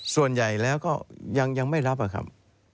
ส่วนใหญ่แล้วก็ยังไม่รับอะครับ